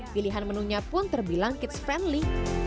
pilihan menunya pun terbilang kids friendly